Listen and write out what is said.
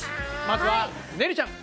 まずはねるちゃん